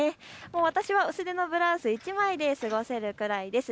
私は薄手のブラウス１枚で過ごせるくらいです。